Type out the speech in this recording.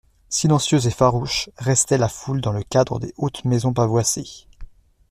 Silencieuse et farouche restait la foule dans le cadre des hautes maisons pavoisées.